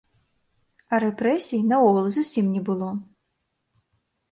А рэпрэсій, наогул, зусім не было.